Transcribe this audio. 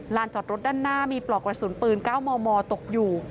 จอดรถด้านหน้ามีปลอกกระสุนปืน๙มมตกอยู่